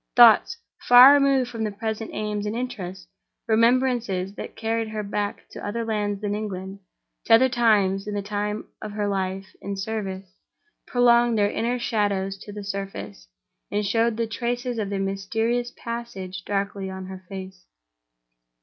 Thoughts, far removed from her present aims and interests; remembrances that carried her back to other lands than England, to other times than the time of her life in service, prolonged their inner shadows to the surface, and showed the traces of their mysterious passage darkly on her face.